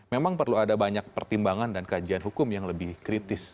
memang perlu ada banyak pertimbangan dan kajian hukum yang lebih kritis